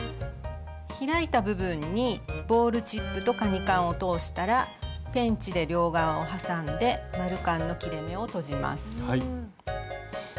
開いた部分にボールチップとカニカンを通したらペンチで両側を挟んで丸カンの切れ目をとじます。